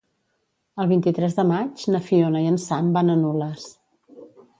El vint-i-tres de maig na Fiona i en Sam van a Nules.